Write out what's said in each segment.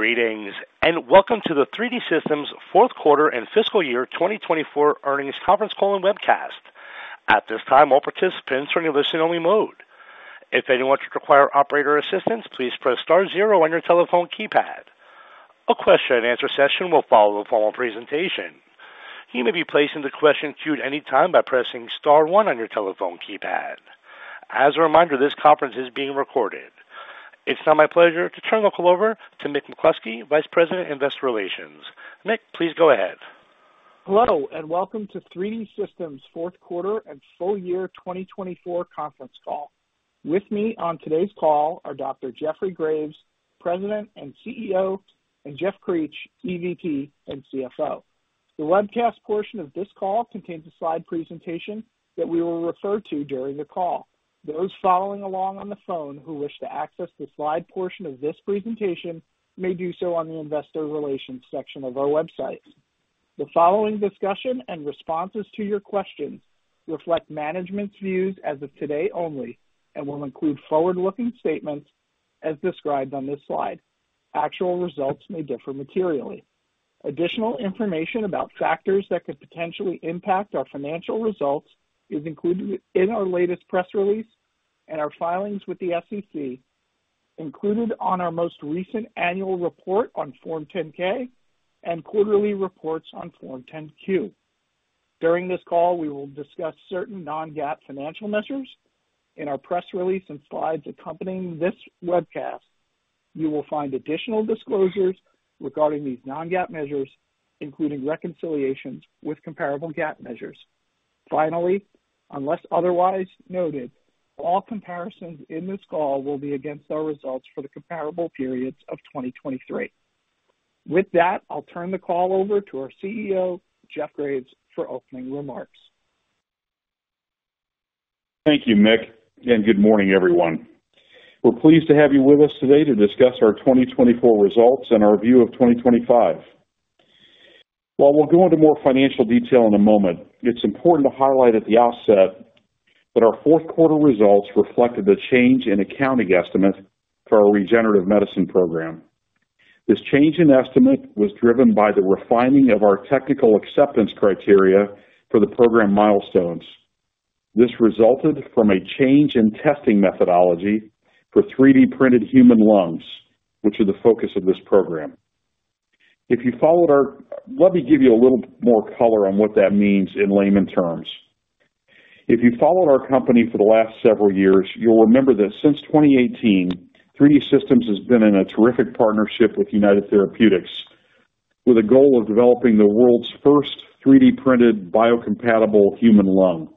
Greetings and welcome to the 3D Systems Fourth Quarter and Fiscal Year 2024 Earnings Conference Call and Webcast. At this time, all participants are in a listen-only mode. If anyone should require operator assistance, please press star zero on your telephone keypad. A Q&A session will follow the formal presentation. You may be placed into question queue at any time by pressing star one on your telephone keypad. As a reminder, this conference is being recorded. It's now my pleasure to turn the call over to Mick McCloskey, Vice President, Investor Relations. Mick, please go ahead. Hello and welcome to 3D Systems Fourth Quarter and Full Year 2024 Conference Call. With me on today's call are Dr. Jeffrey Graves, President and CEO, and Jeff Creech, EVP and CFO. The webcast portion of this call contains a slide presentation that we will refer to during the call. Those following along on the phone who wish to access the slide portion of this presentation may do so on the Investor Relations section of our website. The following discussion and responses to your questions reflect management's views as of today only and will include forward-looking statements as described on this slide. Actual results may differ materially. Additional information about factors that could potentially impact our financial results is included in our latest press release and our filings with the SEC, included on our most recent annual report on Form 10-K and quarterly reports on Form 10-Q. During this call, we will discuss certain non-GAAP financial measures. In our press release and slides accompanying this webcast, you will find additional disclosures regarding these non-GAAP measures, including reconciliations with comparable GAAP measures. Finally, unless otherwise noted, all comparisons in this call will be against our results for the comparable periods of 2023. With that, I'll turn the call over to our CEO, Jeff Graves, for opening remarks. Thank you, Mick, and good morning, everyone. We're pleased to have you with us today to discuss our 2024 results and our view of 2025. While we'll go into more financial detail in a moment, it's important to highlight at the outset that our fourth quarter results reflected a change in accounting estimates for our regenerative medicine program. This change in estimate was driven by the refining of our technical acceptance criteria for the program milestones. This resulted from a change in testing methodology for 3D printed human lungs, which are the focus of this program. If you followed our—let me give you a little more color on what that means in layman's terms. If you followed our company for the last several years, you'll remember that since 2018, 3D Systems has been in a terrific partnership with United Therapeutics, with a goal of developing the world's first 3D printed biocompatible human lung.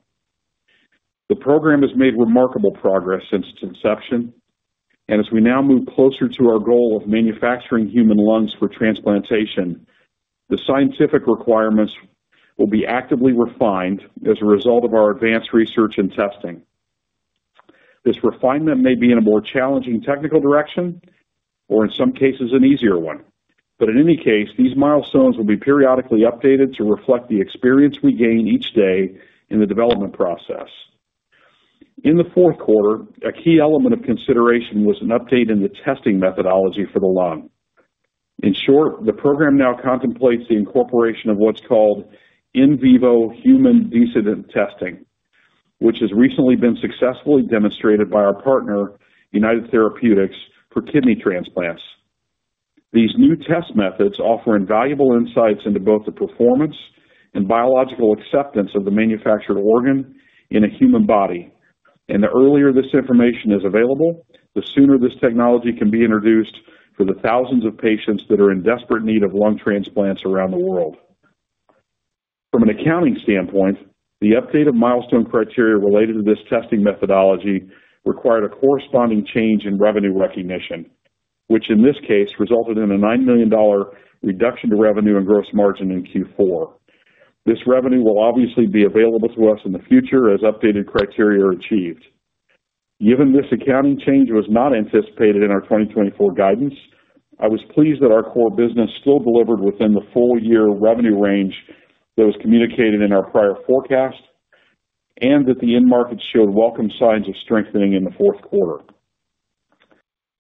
The program has made remarkable progress since its inception, and as we now move closer to our goal of manufacturing human lungs for transplantation, the scientific requirements will be actively refined as a result of our advanced research and testing. This refinement may be in a more challenging technical direction or, in some cases, an easier one. But in any case, these milestones will be periodically updated to reflect the experience we gain each day in the development process. In the fourth quarter, a key element of consideration was an update in the testing methodology for the lung. In short, the program now contemplates the incorporation of what's called in vivo human decedent testing, which has recently been successfully demonstrated by our partner, United Therapeutics, for kidney transplants. These new test methods offer invaluable insights into both the performance and biological acceptance of the manufactured organ in a human body. And the earlier this information is available, the sooner this technology can be introduced for the thousands of patients that are in desperate need of lung transplants around the world. From an accounting standpoint, the update of milestone criteria related to this testing methodology required a corresponding change in revenue recognition, which in this case resulted in a $9 million reduction to revenue and gross margin in Q4. This revenue will obviously be available to us in the future as updated criteria are achieved. Given this accounting change was not anticipated in our 2024 guidance, I was pleased that our core business still delivered within the full year revenue range that was communicated in our prior forecast and that the end markets showed welcome signs of strengthening in the fourth quarter.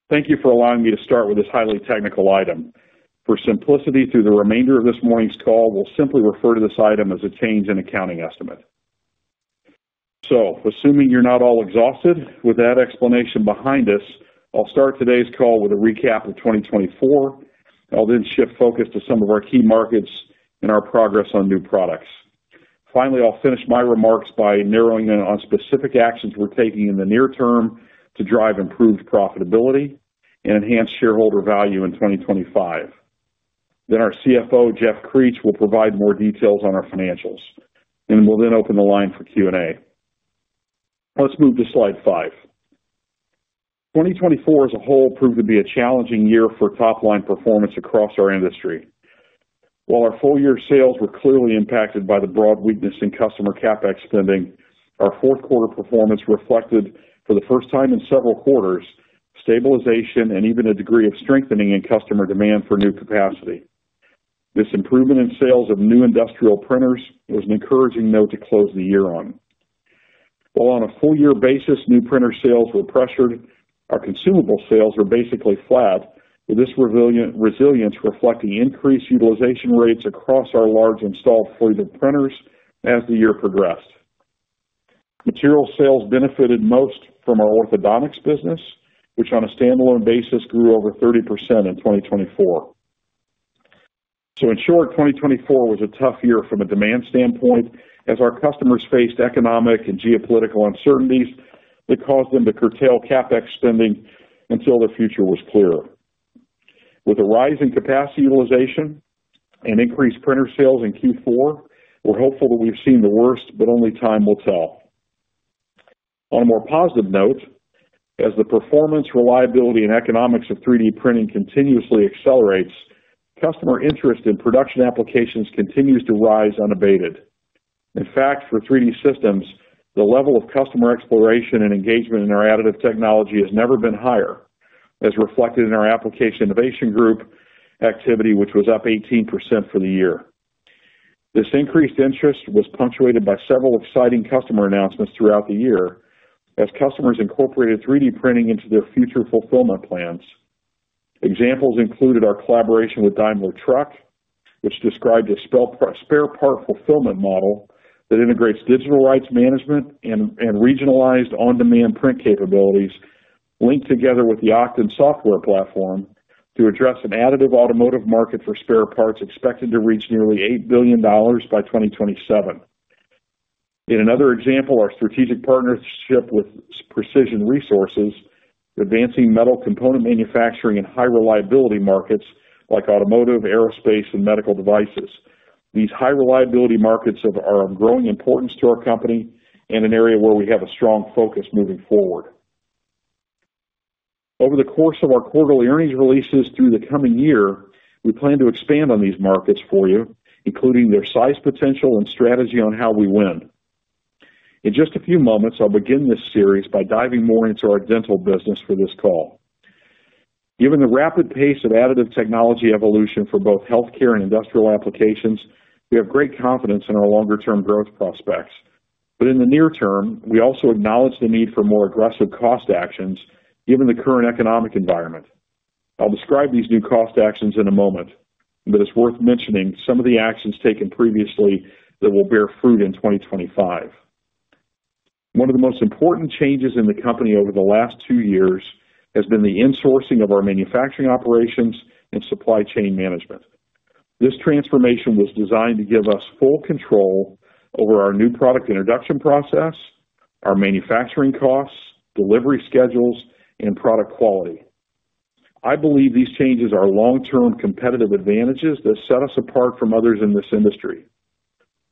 Thank you for allowing me to start with this highly technical item. For simplicity, through the remainder of this morning's call, we'll simply refer to this item as a change in accounting estimate. So assuming you're not all exhausted with that explanation behind us, I'll start today's call with a recap of 2024. I'll then shift focus to some of our key markets and our progress on new products. Finally, I'll finish my remarks by narrowing in on specific actions we're taking in the near term to drive improved profitability and enhance shareholder value in 2025. And our CFO, Jeff Creech, will provide more details on our financials, and we'll then open the line for Q&A. Let's move to slide five. 2024 as a whole proved to be a challenging year for top-line performance across our industry. While our full year sales were clearly impacted by the broad weakness in customer CapEx spending, our fourth quarter performance reflected, for the first time in several quarters, stabilization and even a degree of strengthening in customer demand for new capacity. This improvement in sales of new industrial printers was an encouraging note to close the year on. While on a full year basis, new printer sales were pressured, our consumable sales were basically flat, with this resilience reflecting increased utilization rates across our large installed fleet of printers as the year progressed. Material sales benefited most from our orthodontics business, which on a standalone basis grew over 30% in 2024. So in short, 2024 was a tough year from a demand standpoint as our customers faced economic and geopolitical uncertainties that caused them to curtail CapEx spending until their future was clear. With a rise in capacity utilization and increased printer sales in Q4, we're hopeful that we've seen the worst, but only time will tell. On a more positive note, as the performance, reliability, and economics of 3D printing continuously accelerates, customer interest in production applications continues to rise unabated. In fact, for 3D Systems, the level of customer exploration and engagement in our additive technology has never been higher, as reflected in our application innovation group activity, which was up 18% for the year. This increased interest was punctuated by several exciting customer announcements throughout the year as customers incorporated 3D printing into their future fulfillment plans. Examples included our collaboration with Daimler Truck, which described a spare part fulfillment model that integrates digital rights management and regionalized on-demand print capabilities linked together with the Oqton software platform to address an additive automotive market for spare parts expected to reach nearly $8 billion by 2027. In another example, our strategic partnership with Precision Resources is advancing metal component manufacturing in high-reliability markets like automotive, aerospace, and medical devices. These high-reliability markets are of growing importance to our company and an area where we have a strong focus moving forward. Over the course of our quarterly earnings releases through the coming year, we plan to expand on these markets for you, including their size potential and strategy on how we win. In just a few moments, I'll begin this series by diving more into our dental business for this call. Given the rapid pace of additive technology evolution for both healthcare and industrial applications, we have great confidence in our longer-term growth prospects. In the near term, we also acknowledge the need for more aggressive cost actions given the current economic environment. I'll describe these new cost actions in a moment, but it's worth mentioning some of the actions taken previously that will bear fruit in 2025. One of the most important changes in the company over the last two years has been the insourcing of our manufacturing operations and supply chain management. This transformation was designed to give us full control over our new product introduction process, our manufacturing costs, delivery schedules, and product quality. I believe these changes are long-term competitive advantages that set us apart from others in this industry.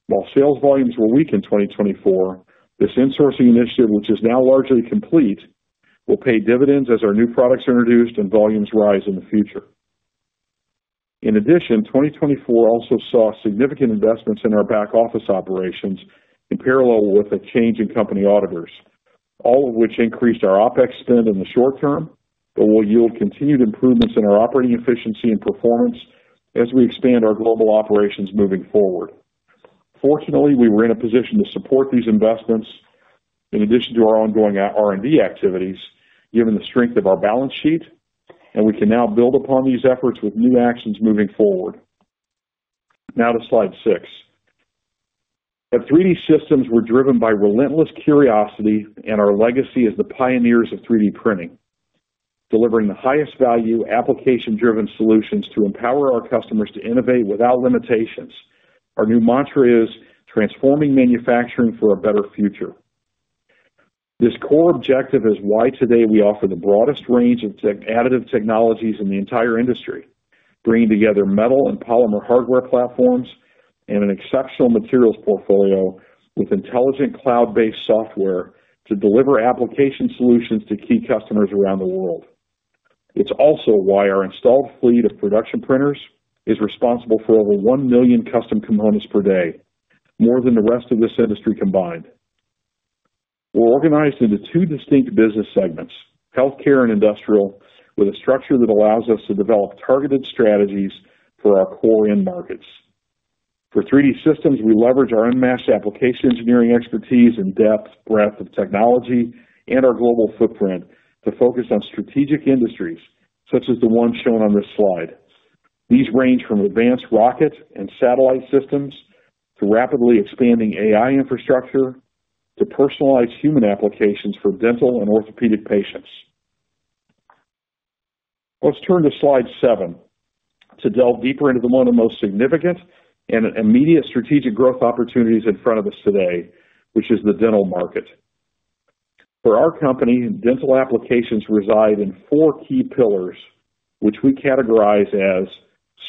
While sales volumes were weak in 2024, this insourcing initiative, which is now largely complete, will pay dividends as our new products are introduced and volumes rise in the future. In addition, 2024 also saw significant investments in our back office operations in parallel with a change in company auditors, all of which increased our OpEx spend in the short term, but will yield continued improvements in our operating efficiency and performance as we expand our global operations moving forward. Fortunately, we were in a position to support these investments in addition to our ongoing R&D activities, given the strength of our balance sheet, and we can now build upon these efforts with new actions moving forward. Now to slide six. At 3D Systems, we're driven by relentless curiosity and our legacy as the pioneers of 3D printing, delivering the highest value application-driven solutions to empower our customers to innovate without limitations. Our new mantra is, "Transforming manufacturing for a better future." This core objective is why today we offer the broadest range of additive technologies in the entire industry, bringing together metal and polymer hardware platforms and an exceptional materials portfolio with intelligent cloud-based software to deliver application solutions to key customers around the world. It's also why our installed fleet of production printers is responsible for over 1 million custom components per day, more than the rest of this industry combined. We're organized into two distinct business segments, healthcare and industrial, with a structure that allows us to develop targeted strategies for our core end markets. For 3D Systems, we leverage our unmatched application engineering expertise and depth, breadth of technology, and our global footprint to focus on strategic industries such as the one shown on this slide. These range from advanced rocket and satellite systems to rapidly expanding AI infrastructure to personalized human applications for dental and orthopedic patients. Let's turn to slide seven to delve deeper into one of the most significant and immediate strategic growth opportunities in front of us today, which is the dental market. For our company, dental applications reside in four key pillars, which we categorize as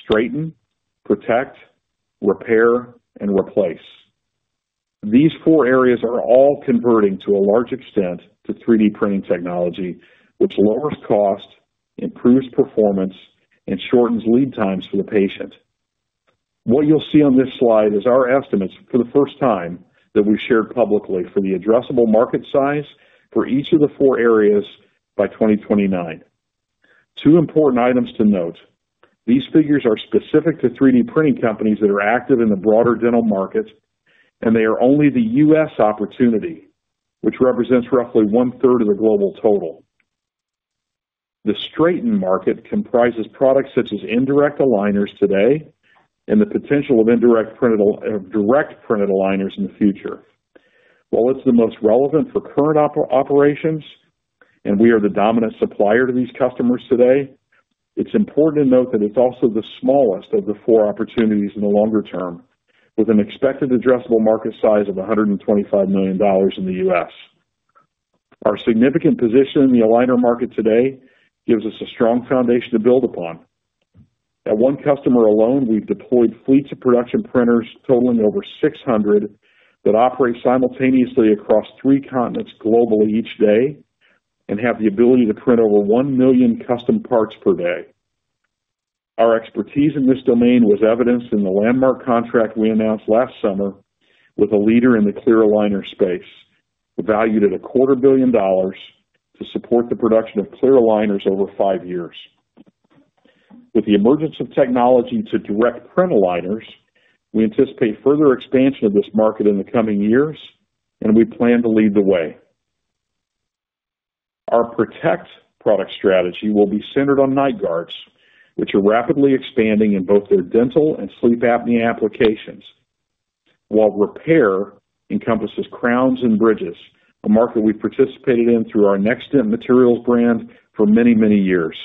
straighten, protect, repair, and replace. These four areas are all converting to a large extent to 3D printing technology, which lowers cost, improves performance, and shortens lead times for the patient. What you'll see on this slide is our estimates for the first time that we've shared publicly for the addressable market size for each of the four areas by 2029. Two important items to note. These figures are specific to 3D printing companies that are active in the broader dental market, and they are only the U.S. opportunity, which represents roughly one-third of the global total. The straighten market comprises products such as indirect aligners today and the potential of indirect printed aligners in the future. While it's the most relevant for current operations and we are the dominant supplier to these customers today, it's important to note that it's also the smallest of the four opportunities in the longer term, with an expected addressable market size of $125 million in the U.S. Our significant position in the aligner market today gives us a strong foundation to build upon. At one customer alone, we've deployed fleets of production printers totaling over 600 that operate simultaneously across three continents globally each day and have the ability to print over 1 million custom parts per day. Our expertise in this domain was evidenced in the landmark contract we announced last summer with a leader in the clear aligner space, valued at a quarter billion dollars to support the production of clear aligners over five years. With the emergence of technology to direct print aligners, we anticipate further expansion of this market in the coming years, and we plan to lead the way. Our protect product strategy will be centered on night guards, which are rapidly expanding in both their dental and sleep apnea applications, while repair encompasses crowns and bridges, a market we've participated in through our NextDent materials brand for many, many years.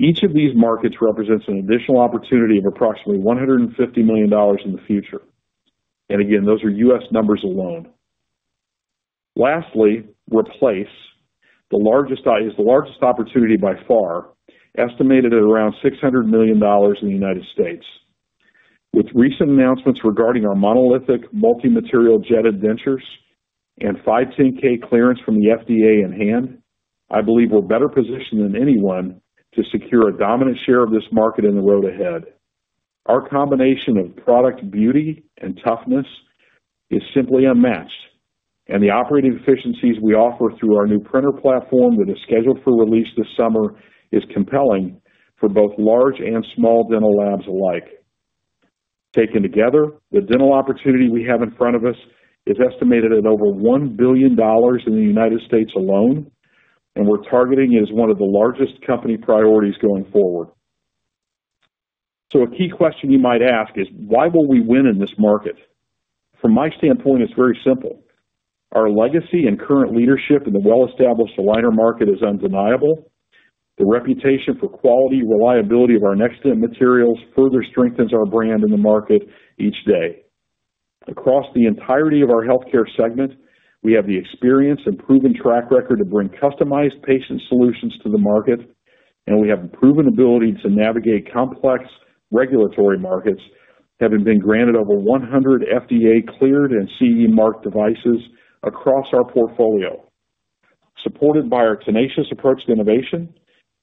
Each of these markets represents an additional opportunity of approximately $150 million in the future. Again, those are U.S. numbers alone. Lastly, replace is the largest opportunity by far, estimated at around $600 million in the United States. With recent announcements regarding our monolithic multi-material jetted dentures and 510(k) clearance from the FDA in hand, I believe we're better positioned than anyone to secure a dominant share of this market in the road ahead. Our combination of product beauty and toughness is simply unmatched, and the operating efficiencies we offer through our new printer platform that is scheduled for release this summer is compelling for both large and small dental labs alike. Taken together, the dental opportunity we have in front of us is estimated at over $1 billion in the United States alone, and we're targeting it as one of the largest company priorities going forward. So a key question you might ask is, why will we win in this market? From my standpoint, it's very simple. Our legacy and current leadership in the well-established aligner market is undeniable. The reputation for quality and reliability of our NextDent materials further strengthens our brand in the market each day. Across the entirety of our healthcare segment, we have the experience and proven track record to bring customized patient solutions to the market, and we have proven ability to navigate complex regulatory markets, having been granted over 100 FDA-cleared and CE-marked devices across our portfolio. Supported by our tenacious approach to innovation,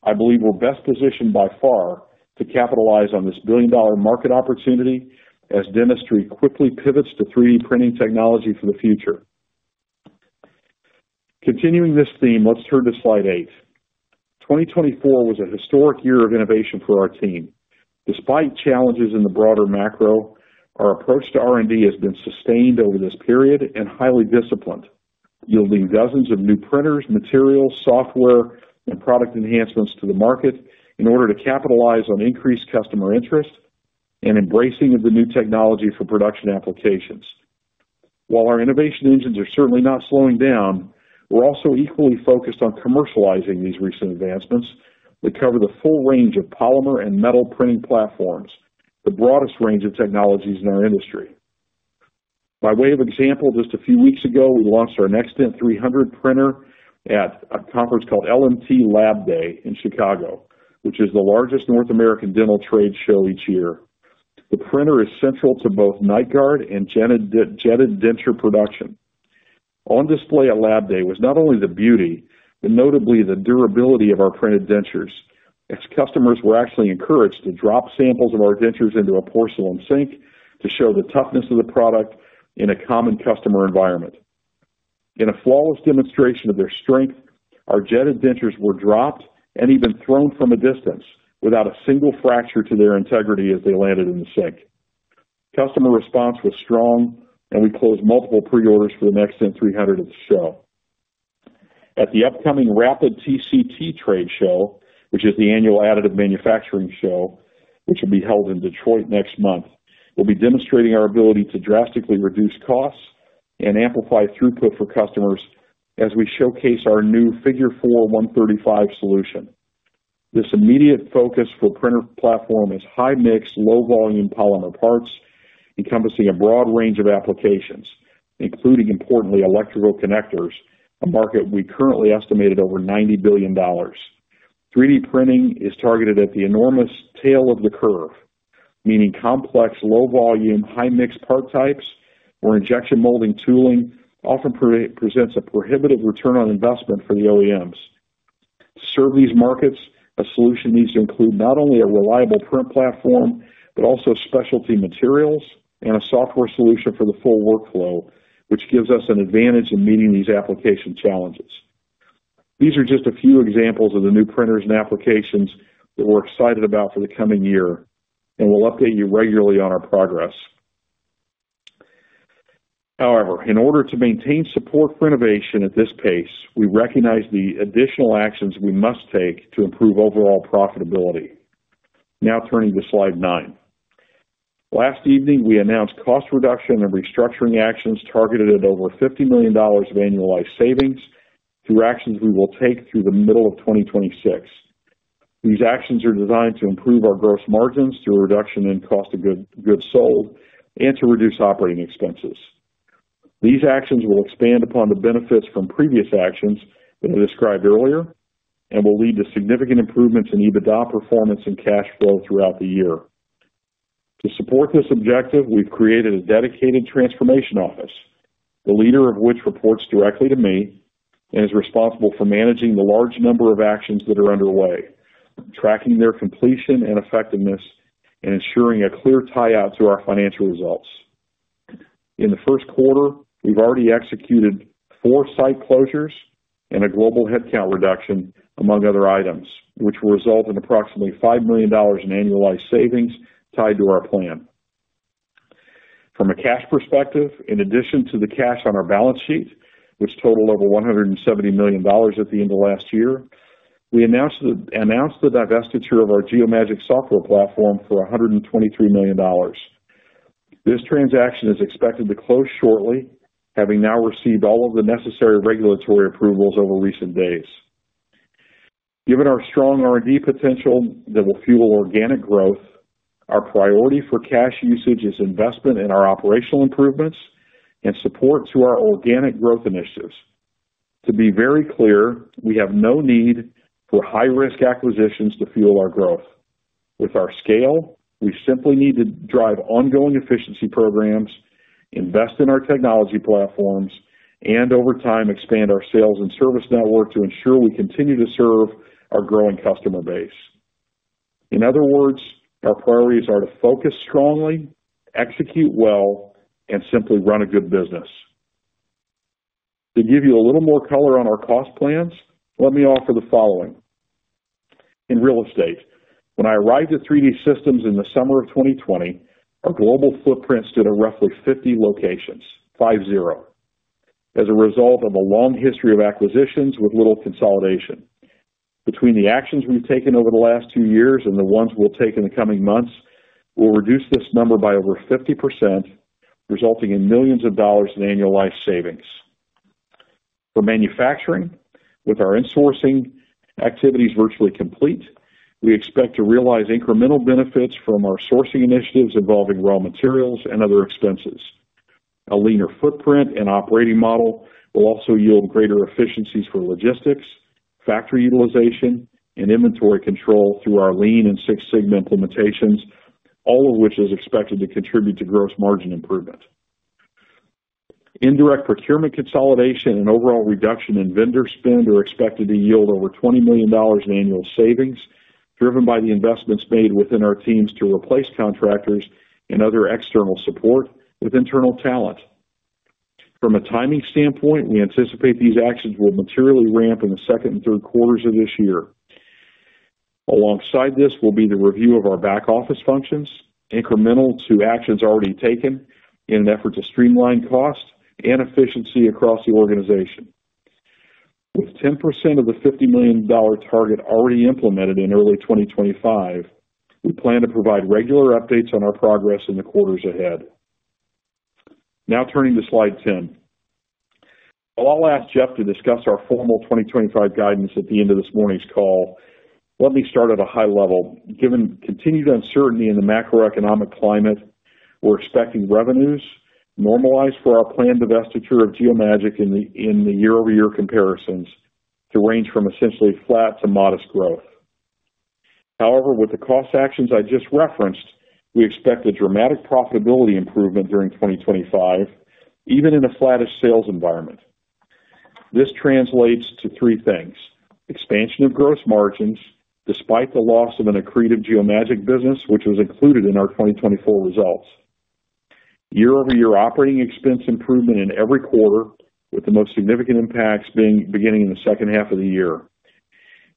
I believe we're best positioned by far to capitalize on this billion-dollar market opportunity as dentistry quickly pivots to 3D printing technology for the future. Continuing this theme, let's turn to slide eight. 2024 was a historic year of innovation for our team. Despite challenges in the broader macro, our approach to R&D has been sustained over this period and highly disciplined, yielding dozens of new printers, materials, software, and product enhancements to the market in order to capitalize on increased customer interest and embracing of the new technology for production applications. While our innovation engines are certainly not slowing down, we're also equally focused on commercializing these recent advancements that cover the full range of polymer and metal printing platforms, the broadest range of technologies in our industry. By way of example, just a few weeks ago, we launched our NextDent 300 printer at a conference called LMT LAB DAY in Chicago, which is the largest North American dental trade show each year. The printer is central to both night guard and jetted jetted denture production. On display at LAB DAY was not only the beauty, but notably the durability of our printed dentures, as customers were actually encouraged to drop samples of our dentures into a porcelain sink to show the toughness of the product in a common customer environment. In a flawless demonstration of their strength, our jetted dentures were dropped and even thrown from a distance without a single fracture to their integrity as they landed in the sink. Customer response was strong, and we closed multiple pre-orders for the NextDent 300 at the show. At the upcoming Rapid + TCT Trade Show, which is the annual additive manufacturing show, which will be held in Detroit next month, we'll be demonstrating our ability to drastically reduce costs and amplify throughput for customers as we showcase our new Figure 4 135 solution. This immediate focus for printer platform is high-mix, low-volume polymer parts, encompassing a broad range of applications, including, importantly, electrical connectors, a market we currently estimate at over $90 billion. 3D printing is targeted at the enormous tail of the curve, meaning complex, low-volume, high-mix part types where injection molding tooling often presents a prohibitive return on investment for the OEMs. To serve these markets, a solution needs to include not only a reliable print platform, but also specialty materials and a software solution for the full workflow, which gives us an advantage in meeting these application challenges. These are just a few examples of the new printers and applications that we're excited about for the coming year, and we'll update you regularly on our progress. However, in order to maintain support for innovation at this pace, we recognize the additional actions we must take to improve overall profitability. Now turning to slide nine. Last evening, we announced cost reduction and restructuring actions targeted at over $50 million of annualized savings through actions we will take through the middle of 2026. These actions are designed to improve our gross margins through a reduction in cost of goods sold and to reduce operating expenses. These actions will expand upon the benefits from previous actions that I described earlier and will lead to significant improvements in EBITDA performance and cash flow throughout the year. To support this objective, we've created a dedicated transformation office, the leader of which reports directly to me and is responsible for managing the large number of actions that are underway, tracking their completion and effectiveness, and ensuring a clear tie-out to our financial results. In the first quarter, we've already executed four site closures and a global headcount reduction, among other items, which will result in approximately $5 million in annualized savings tied to our plan. From a cash perspective, in addition to the cash on our balance sheet, which totaled over $170 million at the end of last year, we announced the divestiture of our Geomagic software platform for $123 million. This transaction is expected to close shortly, having now received all of the necessary regulatory approvals over recent days. Given our strong R&D potential that will fuel organic growth, our priority for cash usage is investment in our operational improvements and support to our organic growth initiatives. To be very clear, we have no need for high-risk acquisitions to fuel our growth. With our scale, we simply need to drive ongoing efficiency programs, invest in our technology platforms, and over time, expand our sales and service network to ensure we continue to serve our growing customer base. In other words, our priorities are to focus strongly, execute well, and simply run a good business. To give you a little more color on our cost plans, let me offer the following. In real estate, when I arrived at 3D Systems in the summer of 2020, our global footprint stood at roughly 50 locations, five-zero, as a result of a long history of acquisitions with little consolidation. Between the actions we've taken over the last two years and the ones we'll take in the coming months, we'll reduce this number by over 50%, resulting in millions of dollars in annualized savings. For manufacturing, with our insourcing activities virtually complete, we expect to realize incremental benefits from our sourcing initiatives involving raw materials and other expenses. A leaner footprint and operating model will also yield greater efficiencies for logistics, factory utilization, and inventory control through our lean and six-sigma implementations, all of which is expected to contribute to gross margin improvement. Indirect procurement consolidation and overall reduction in vendor spend are expected to yield over $20 million in annual savings, driven by the investments made within our teams to replace contractors and other external support with internal talent. From a timing standpoint, we anticipate these actions will materially ramp in the second and third quarters of this year. Alongside this will be the review of our back office functions, incremental to actions already taken in an effort to streamline cost and efficiency across the organization. With 10% of the $50 million target already implemented in early 2025, we plan to provide regular updates on our progress in the quarters ahead. Now turning to slide 10. While I'll ask Jeff to discuss our formal 2025 guidance at the end of this morning's call, let me start at a high level. Given continued uncertainty in the macroeconomic climate, we're expecting revenues normalized for our planned divestiture of Geomagic in the year-over-year comparisons to range from essentially flat to modest growth. However, with the cost actions I just referenced, we expect a dramatic profitability improvement during 2025, even in a flattish sales environment. This translates to three things: expansion of gross margins despite the loss of an accretive Geomagic business, which was included in our 2024 results; year-over-year operating expense improvement in every quarter, with the most significant impacts beginning in the second half of the year;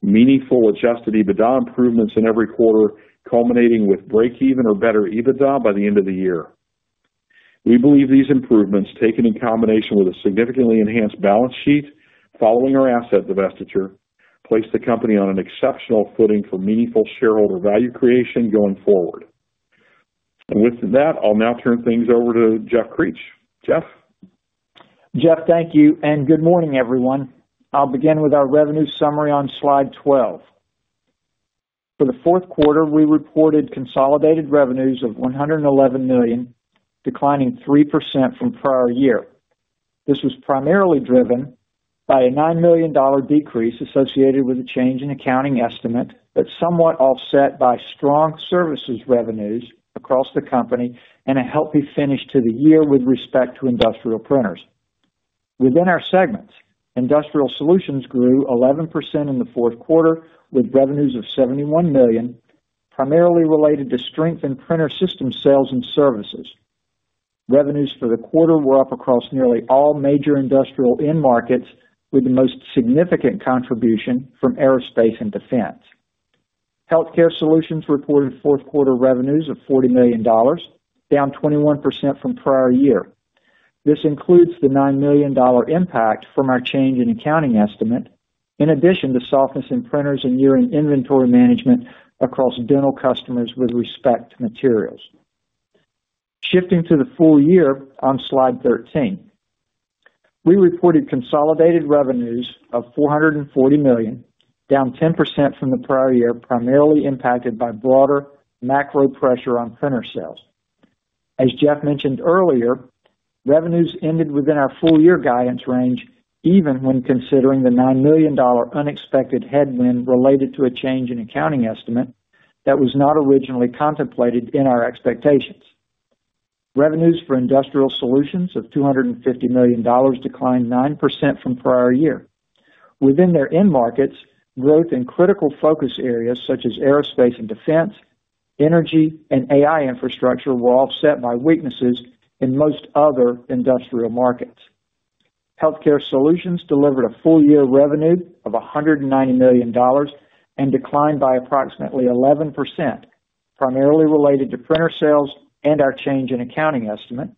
meaningful adjusted EBITDA improvements in every quarter, culminating with break-even or better EBITDA by the end of the year. We believe these improvements, taken in combination with a significantly enhanced balance sheet following our asset divestiture, place the company on an exceptional footing for meaningful shareholder value creation going forward. With that, I'll now turn things over to Jeff Creech. Jeff? Jeff, thank you. Good morning, everyone. I'll begin with our revenue summary on slide 12. For the fourth quarter, we reported consolidated revenues of $111 million, declining 3% from prior year. This was primarily driven by a $9 million decrease associated with a change in accounting estimate that was somewhat offset by strong services revenues across the company and a healthy finish to the year with respect to industrial printers. Within our segments, industrial solutions grew 11% in the fourth quarter with revenues of $71 million, primarily related to strength in printer system sales and services. Revenues for the quarter were up across nearly all major industrial end markets, with the most significant contribution from aerospace and defense. Healthcare solutions reported fourth quarter revenues of $40 million, down 21% from prior year. This includes the $9 million impact from our change in accounting estimate, in addition to softness in printers and year-end inventory management across dental customers with respect to materials. Shifting to the full year on slide 13, we reported consolidated revenues of $440 million, down 10% from the prior year, primarily impacted by broader macro pressure on printer sales. As Jeff mentioned earlier, revenues ended within our full-year guidance range, even when considering the $9 million unexpected headwind related to a change in accounting estimate that was not originally contemplated in our expectations. Revenues for industrial solutions of $250 million declined 9% from prior year. Within their end markets, growth in critical focus areas such as aerospace and defense, energy, and AI infrastructure were offset by weaknesses in most other industrial markets. Healthcare solutions delivered a full-year revenue of $190 million and declined by approximately 11%, primarily related to printer sales and our change in accounting estimate,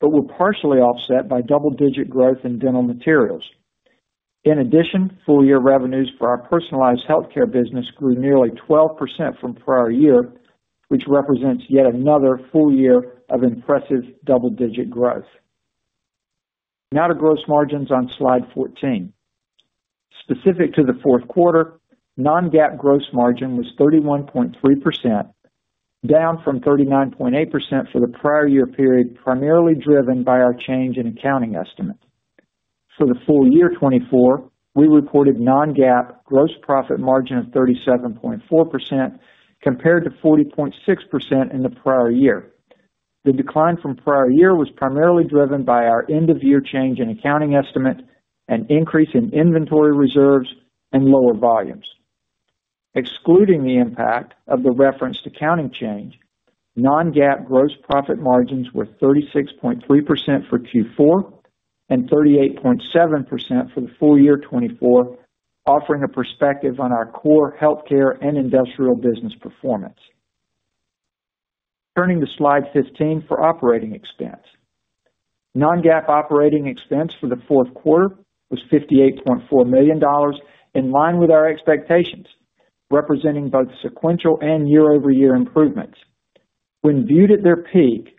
but were partially offset by double-digit growth in dental materials. In addition, full-year revenues for our personalized healthcare business grew nearly 12% from prior year, which represents yet another full year of impressive double-digit growth. Now to gross margins on slide 14. Specific to the fourth quarter, non-GAAP gross margin was 31.3%, down from 39.8% for the prior year period, primarily driven by our change in accounting estimate. For the full year 2024, we reported non-GAAP gross profit margin of 37.4%, compared to 40.6% in the prior year. The decline from prior year was primarily driven by our end-of-year change in accounting estimate and increase in inventory reserves and lower volumes. Excluding the impact of the referenced accounting change, non-GAAP gross profit margins were 36.3% for Q4 and 38.7% for the full year 2024, offering a perspective on our core healthcare and industrial business performance. Turning to slide 15 for operating expense. Non-GAAP operating expense for the fourth quarter was $58.4 million, in line with our expectations, representing both sequential and year-over-year improvements. When viewed at their peak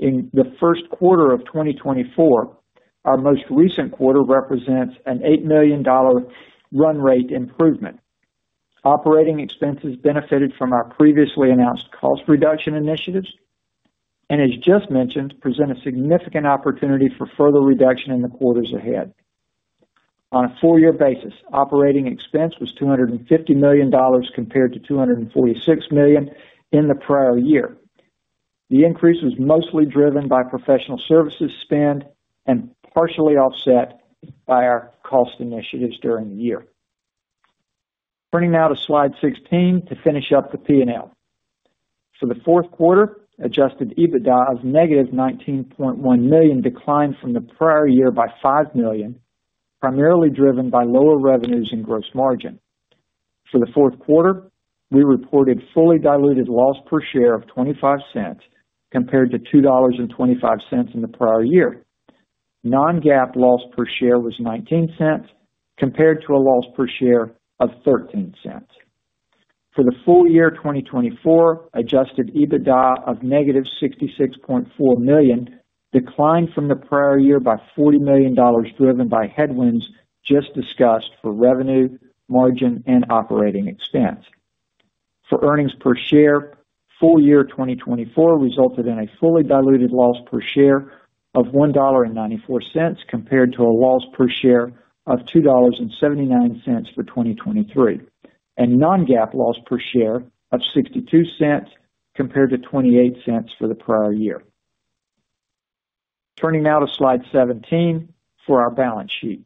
in the first quarter of 2024, our most recent quarter represents an $8 million run rate improvement. Operating expenses benefited from our previously announced cost reduction initiatives and, as just mentioned, present a significant opportunity for further reduction in the quarters ahead. On a full-year basis, operating expense was $250 million compared to $246 million in the prior year. The increase was mostly driven by professional services spend and partially offset by our cost initiatives during the year. Turning now to slide 16 to finish up the P&L. For the fourth quarter, adjusted EBITDA of negative $19.1 million declined from the prior year by $5 million, primarily driven by lower revenues and gross margin. For the fourth quarter, we reported fully diluted loss per share of $0.25 compared to $2.25 in the prior year. Non-GAAP loss per share was $0.19 compared to a loss per share of $0.13. For the full year 2024, adjusted EBITDA of negative $66.4 million declined from the prior year by $40 million driven by headwinds just discussed for revenue, margin, and operating expense. For earnings per share, full year 2024 resulted in a fully diluted loss per share of $1.94 compared to a loss per share of $2.79 for 2023, and non-GAAP loss per share of $0.62 compared to $0.28 for the prior year. Turning now to slide 17 for our balance sheet.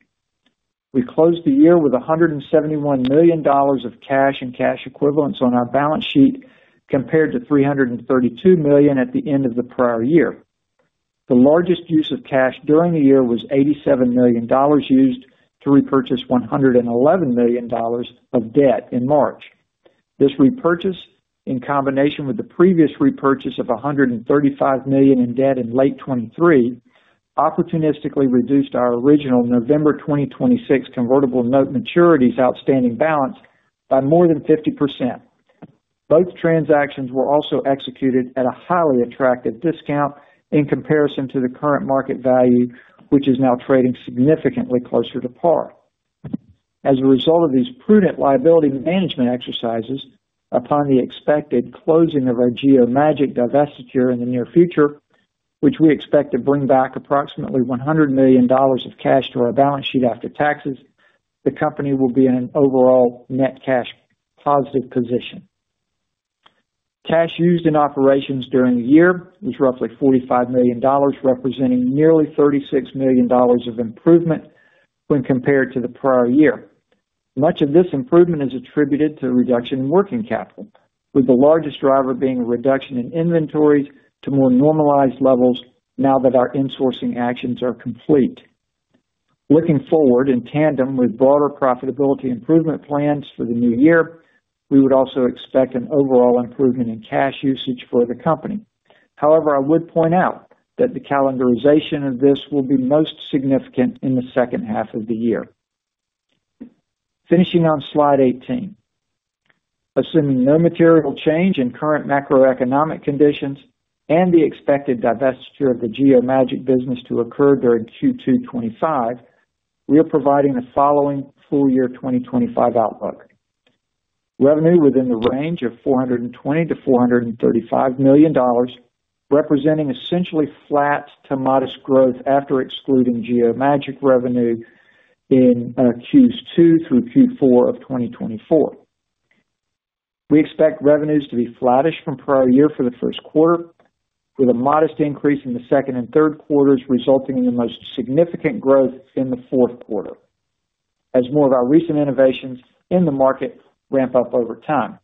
We closed the year with $171 million of cash and cash equivalents on our balance sheet compared to $332 million at the end of the prior year. The largest use of cash during the year was $87 million used to repurchase $111 million of debt in March. This repurchase, in combination with the previous repurchase of $135 million in debt in late 2023, opportunistically reduced our original November 2026 convertible note maturities outstanding balance by more than 50%. Both transactions were also executed at a highly attractive discount in comparison to the current market value, which is now trading significantly closer to par. As a result of these prudent liability management exercises, upon the expected closing of our Geomagic divestiture in the near future, which we expect to bring back approximately $100 million of cash to our balance sheet after taxes, the company will be in an overall net cash positive position. Cash used in operations during the year was roughly $45 million, representing nearly $36 million of improvement when compared to the prior year. Much of this improvement is attributed to the reduction in working capital, with the largest driver being a reduction in inventories to more normalized levels now that our insourcing actions are complete. Looking forward, in tandem with broader profitability improvement plans for the new year, we would also expect an overall improvement in cash usage for the company. However, I would point out that the calendarization of this will be most significant in the second half of the year. Finishing on slide 18, assuming no material change in current macroeconomic conditions and the expected divestiture of the Geomagic business to occur during Q2 2025, we are providing the following full year 2025 outlook. Revenue within the range of $420-$435 million, representing essentially flat to modest growth after excluding Geomagic revenue in Q2 through Q4 of 2024. We expect revenues to be flattish from prior year for the first quarter, with a modest increase in the second and third quarters resulting in the most significant growth in the fourth quarter, as more of our recent innovations in the market ramp up over time.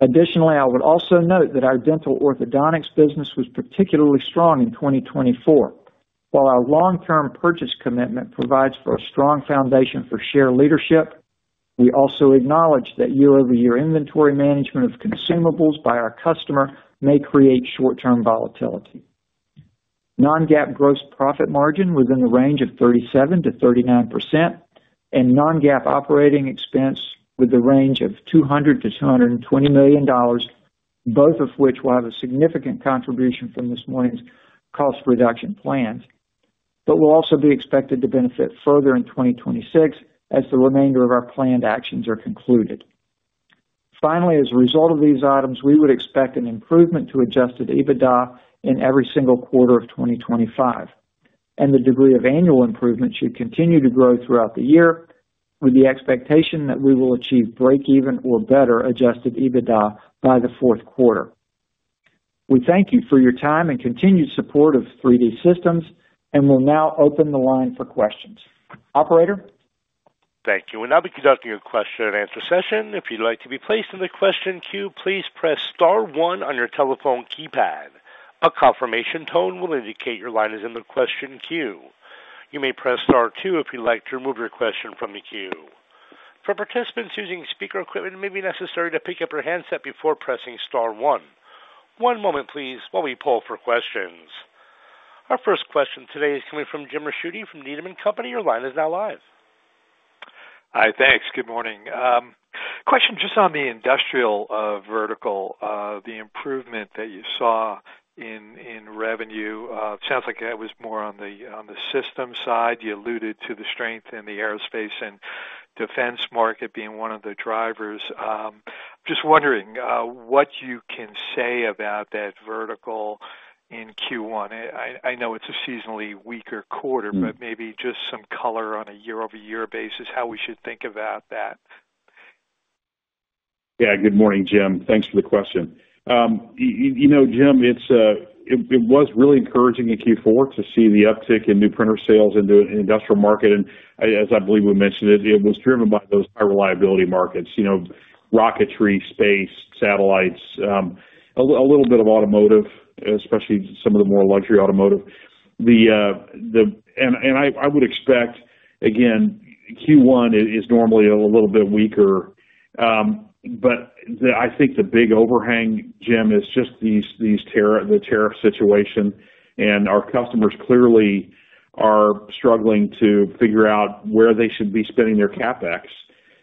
Additionally, I would also note that our dental orthodontics business was particularly strong in 2024. While our long-term purchase commitment provides for a strong foundation for share leadership, we also acknowledge that year-over-year inventory management of consumables by our customer may create short-term volatility. Non-GAAP gross profit margin was in the range of 37%-39%, and non-GAAP operating expense with the range of $200-$220 million, both of which will have a significant contribution from this morning's cost reduction plans, but will also be expected to benefit further in 2026 as the remainder of our planned actions are concluded. Finally, as a result of these items, we would expect an improvement to adjusted EBITDA in every single quarter of 2025, and the degree of annual improvement should continue to grow throughout the year, with the expectation that we will achieve break-even or better adjusted EBITDA by the fourth quarter. We thank you for your time and continued support of 3D Systems, and we'll now open the line for questions. Operator? Thank you. We'll now be conducting a Q&A session. If you'd like to be placed in the question queue, please press Star one on your telephone keypad. A confirmation tone will indicate your line is in the question queue. You may press Star two if you'd like to remove your question from the queue. For participants using speaker equipment, it may be necessary to pick up your handset before pressing Star one. One moment, please, while we pull for questions. Our first question today is coming from Jim Rashidi from Needham & Company. Your line is now live. Hi, thanks. Good morning. Question just on the industrial vertical, the improvement that you saw in in revenue. It sounds like that was more on the on the system side. You alluded to the strength in the aerospace and defense market being one of the drivers. Just wondering what you can say about that vertical in Q1. I know it's a seasonally weaker quarter, but maybe just some color on a year-over-year basis, how we should think about that. Yeah. Good morning, Jim. Thanks for the question. You you know Jim, it's a it was really encouraging in Q4 to see the uptick in new printer sales into the industrial market. As I believe we mentioned, it was driven by those high-reliability markets, you know rocketry, space, satellites, a little bit of automotive, especially some of the more luxury automotive. And I I would expect, again, Q1 is normally a little bit weaker. But I think the big overhang, Jim, is just this this tariff tariff situation. And our customers clearly are struggling to figure out where they should be spending their CapEx.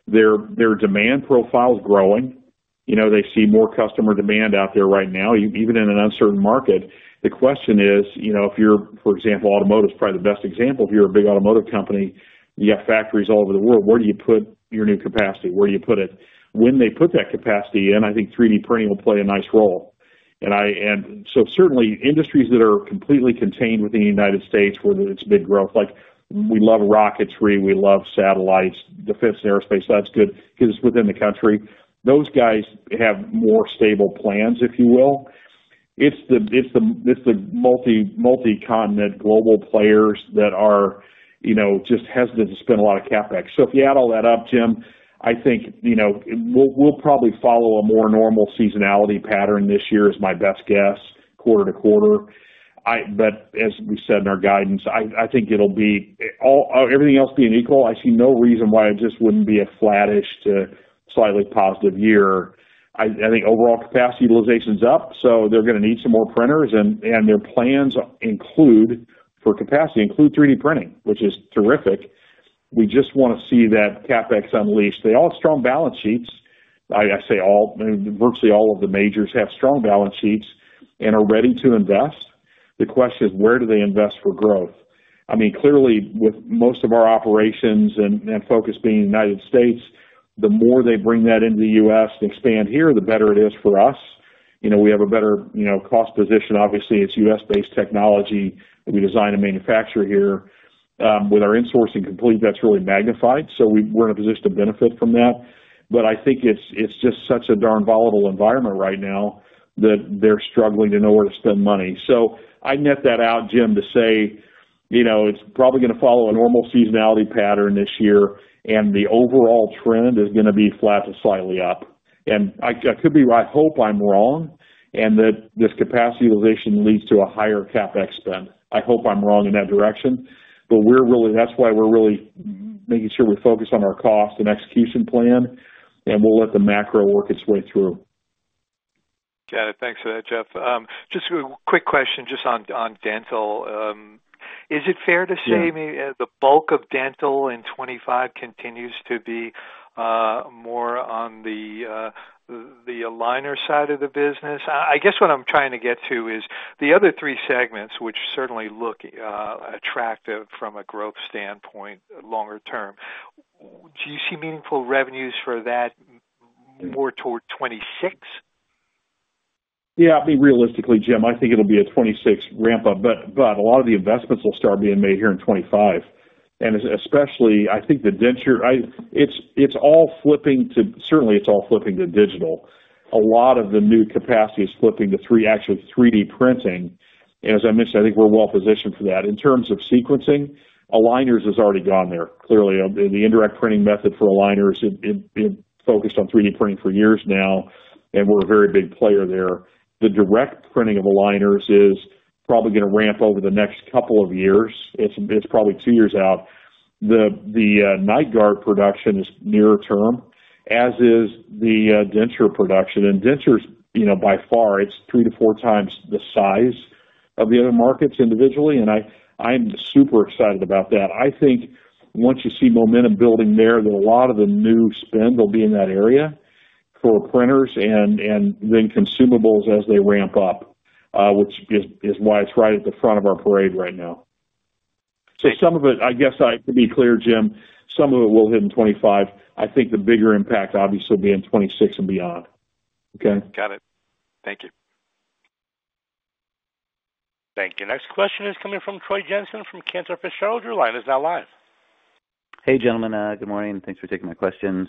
Their their demand profile is growing. You know they see more customer demand out there right now, even in an uncertain market. The question is, you know if you're, for example, automotive is probably the best example. If you're a big automotive company, you have factories all over the world, where do you put your new capacity? Where do you put it? When they put that capacity in, I think 3D printing will play a nice role. And certainly, industries that are completely contained within the United States, whether it's big growth, like we love rocketry, we love satellites, defense and aerospace, that's good because it's within the country. Those guys have more stable plans, if you will. It's the it's the it's the multi multi-continent global players that are you know just hesitant to spend a lot of CapEx. So if you add all that up, Jim, I think you know we we'll probably follow a more normal seasonality pattern this year is my best guess, quarter to quarter. But as we said in our guidance, I I think it'll be everything else being equal, I see no reason why it just wouldn't be a flattish to slightly positive year. I think overall capacity utilization is up, so they're going to need some more printers. And and their plans include for capacity include 3D printing, which is terrific. We just want to see that CapEx unleashed. They all have strong balance sheets. I say all, virtually all of the majors have strong balance sheets and are ready to invest. The question is, where do they invest for growth? I mean, clearly, with most of our operations and focus being in the United States, the more they bring that into the U.S. and expand here, the better it is for us. You know we have a better you know cost position. Obviously, it's US-based technology. We design and manufacture here. With our insourcing complete, that's really magnified. So we are in a position to benefit from that. But I think it's it's just such a darn volatile environment right now that they're struggling to know where to spend money. So I net that out, Jim, to say you know it's probably going to follow a normal seasonality pattern this year, and the overall trend is going to be flat to slightly up. And I could be right. I hope I'm wrong and that this capacity utilization leads to a higher CapEx spend. I hope I'm wrong in that direction. But we're really that is why we're really making sure we focus on our cost and execution plan, and we'll let the macro work its way through. Got it. Thanks for that, Jeff. Just a quick question just on dental. Is it fair to say the bulk of dental in 2025 continues to be more on the the aligner side of the business? I guess what I'm trying to get to is the other three segments, which certainly look attractive from a growth standpoint longer term. Do you see meaningful revenues for that more toward 2026? Yeah. I mean, realistically, Jim, I think it'll be a 2026 ramp-up, but a lot of the investments will start being made here in 2025. And specially I think the denture, it's it's all flipping to certainly, it's all flipping to digital. A lot of the new capacity is flipping to actually 3D printing. And as I mentioned, I think we're well-positioned for that. In terms of sequencing, aligners has already gone there. Clearly, the indirect printing method for aligners, it it focused on 3D printing for years now, and we're a very big player there. The direct printing of aligners is probably going to ramp over the next couple of years. It's probably two years out. But the Night Guard production is near term, as is the denture production. Dentures, by far, it's three to four times the size of the other markets individually. I'm super excited about that. I think once you see momentum building there, that a lot of the new spend will be in that area for printers and and then consumables as they ramp up, which is why it's right at the front of our parade right now. So some of it, I guess to be clear, Jim, some of it will hit in 2025. I think the bigger impact obviously will be in 2026 and beyond. Okay? Got it. Thank you. Thank you. Next question is coming from Troy Jensen from Cantor Fitzgerald. Your line is now live. Hey, gentlemen. Good morning. Thanks for taking my questions.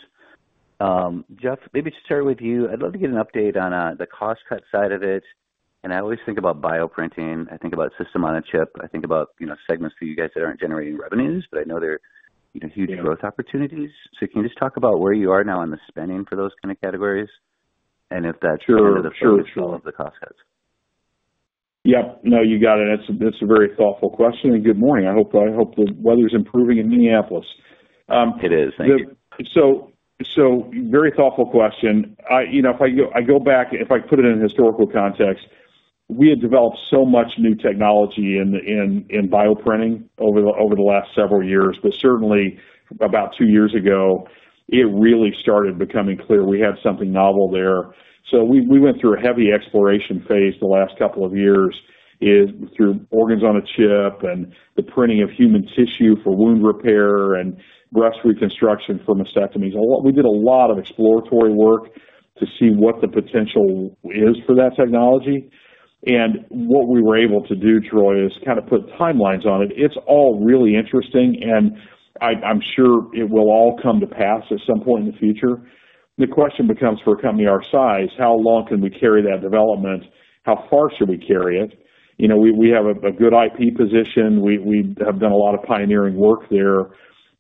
Jeff, maybe to start with you, I'd love to get an update on the cost-cut side of it. I always think about bioprinting. I think about system on a chip. I think about segments for you guys that aren't generating revenues, but I know they're huge growth opportunities. Can you just talk about where you are now on the spending for those kind of categories? If that's kind of the function of the cost-cuts. Yep. No, you got it. That's a very thoughtful question. Good morning. I hope the weather's improving in Minneapolis. It is. Thank you. And so so very thoughtful question. If I go back, if I put it in historical context, we had developed so much new technology in in bioprinting over over the last several years. Certainly, about two years ago, it really started becoming clear we had something novel there. So we went through a heavy exploration phase the last couple of years through organs on a chip and the printing of human tissue for wound repair and breast reconstruction for mastectomies. We did a lot of exploratory work to see what the potential is for that technology. And what we were able to do, Troy, is kind of put timelines on it. It's all really interesting, and I'm sure it will all come to pass at some point in the future. The question becomes for a company our size, how long can we carry that development? How far should we carry it? You know we have a good IP position. We have done a lot of pioneering work there.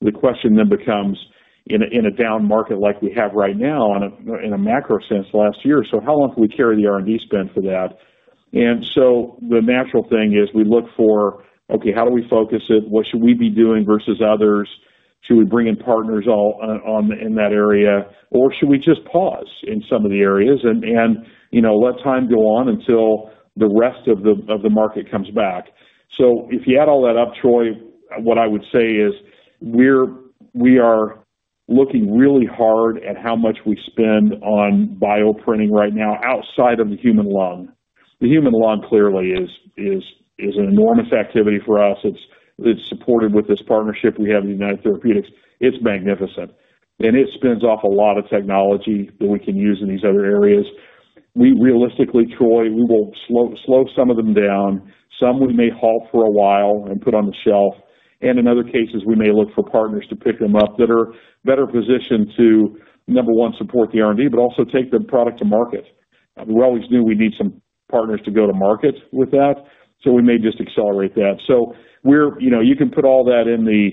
The question then becomes, in a in a down market like we have right now in a macro sense, last year, how long can we carry the R&D spend for that? And so the natural thing is we look for, okay, how do we focus it? What should we be doing versus others? Should we bring in partners in that area? Or should we just pause in some of the areas and and you know let time go on until the rest of the market comes back? So if you add all that up, Troy, what I would say is we're we are looking really hard at how much we spend on bioprinting right now outside of the human lung. The human lung clearly is is is an enormous activity for us. It's it's supported with this partnership we have with United Therapeutics. It's magnificent. And it spins off a lot of technology that we can use in these other areas. Realistically, Troy, we will slow slow some of them down. Some we may halt for a while and put on the shelf. And in other cases, we may look for partners to pick them up that are that are better positioned to, number one, support the R&D, but also take the product to market. We always knew we need some partners to go to market with that. So we may just accelerate that. So you can put all that in the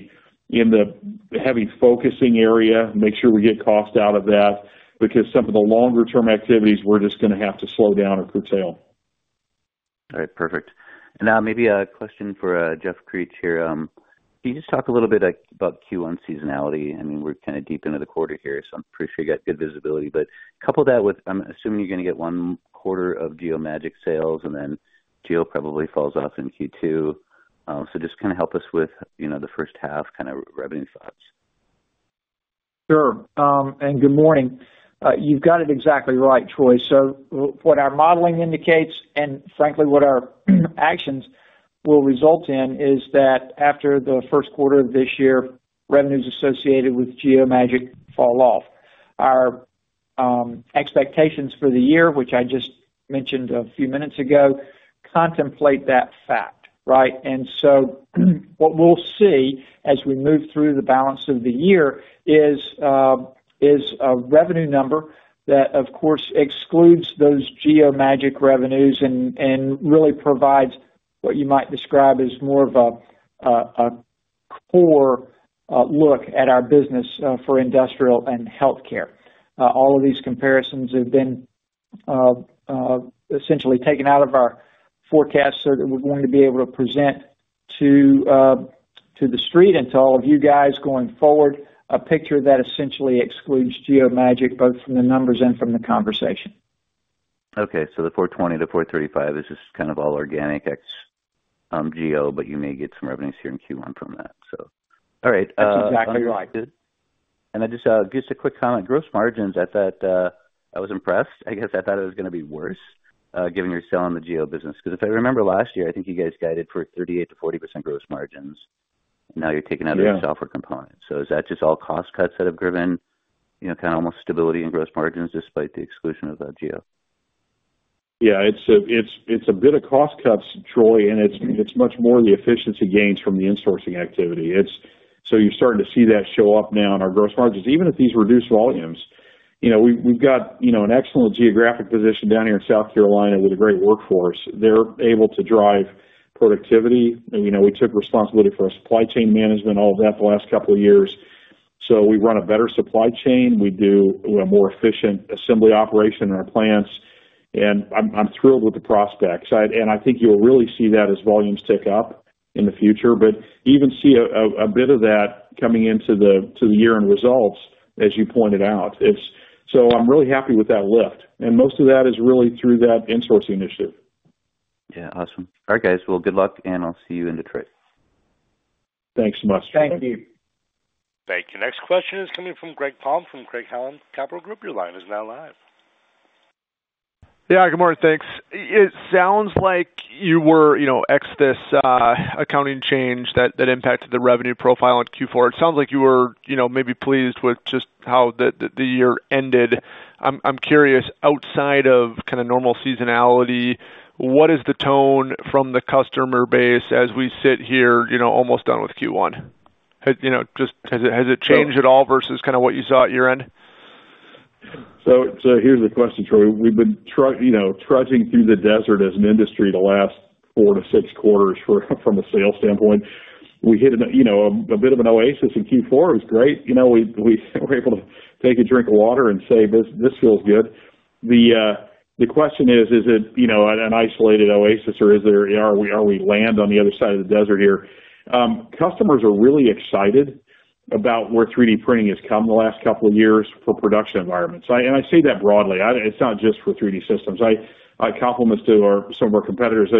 in the heavy focusing area, make sure we get cost out of that, because some of the longer-term activities, we're just going to have to slow down or curtail. All right. Perfect. Now maybe a question for Jeff Creech here. Can you just talk a little bit about Q1 seasonality? I mean, we're kind of deep into the quarter here, so I'm pretty sure you got good visibility. But couple that with, I'm assuming you're going to get one quarter of Geomagic sales, and then Geo probably falls off in Q2. Just kind of help us with the first half kind of revenue thoughts. Sure. And good morning. You've got it exactly right, Troy. So what our modeling indicates and frankly, what our actions will result in is that after the first quarter of this year, revenues associated with Geomagic fall off. Our expectations for the year, which I just mentioned a few minutes ago, contemplate that fact, right? And so what we will see as we move through the balance of the year is a is a revenue number that, of course, excludes those Geomagic revenues and and really provides what you might describe as more of a a core look at our business for industrial and healthcare. All of these comparisons have been essentially taken out of our forecast so that we are going to be able to present to the street and to all of you guys going forward a picture that essentially excludes Geomagic, both from the numbers and from the conversation. Okay. The 420-435 is just kind of all organic X Geo, but you may get some revenues here in Q1 from that, so. All right. That's exactly right. And just a quick comment, gross margins at that, I was impressed. I guess I thought it was going to be worse given you're selling the Geo business. Because if I remember last year, I think you guys guided for 38-40% gross margins. And now you're taking out of your software component. So is that just all cost cuts that have driven kind of almost stability in gross margins despite the exclusion of Geo? Yeah. It's a bit of cost cuts, Troy, and it's much more the efficiency gains from the insourcing activity. So you're starting to see that show up now in our gross margins, even at these reduced volumes. You know we've got an excellent geographic position down here in South Carolina with a great workforce. They're able to drive productivity. You know we took responsibility for our supply chain management, all of that the last couple of years. So we run a better supply chain. We do we have more efficient assembly operation in our plants. And i'm i'm thrilled with the prospects. And I think you'll really see that as volumes tick up in the future, but even see a bit of that coming into the year-end results, as you pointed out. So I'm really happy with that lift. And most of that is really through that insourcing initiative. Yeah. Awesome. All right, guys. Good luck, and I'll see you in Detroit. Thanks so much, Troy. Thank you. Thank you. Next question is coming from Greg Palmer from Craig-Hallum Capital Group. Your line is now live. Yeah. Good morning. Thanks. It sounds like you were ex this accounting change that impacted the revenue profile in Q4. It sounds like you were maybe pleased with just how the year ended. I'm curious, outside of kind of normal seasonality, what is the tone from the customer base as we sit here you know almost done with Q1? You know has it changed at all versus kind of what you saw at year-end? So so here's the question, Troy. We've been you know trudging trudging through the desert as an industry the last four to six quarters from a sales standpoint. We hit you know a bit of an oasis in Q4. It was great. You know we were able to take a drink of water and say, "This feels good." The the question is, is it you know an isolated oasis, or are we land on the other side of the desert here? Customers are really excited about where 3D printing has come the last couple of years for production environments. I say that broadly. It's not just for 3D Systems. I compliment some some of our competitors.